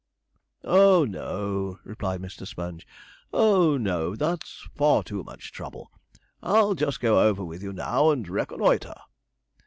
'Oh no,' replied Mr. Sponge, 'oh no that's far too much trouble. I'll just go over with you now and reconnoitre.'